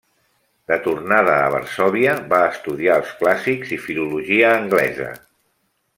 De tornada a Varsòvia, va estudiar els clàssics i filologia anglesa.